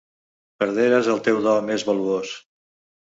Perderes el teu do més valuós.